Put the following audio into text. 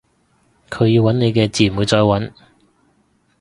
佢要搵你嘅自然會再搵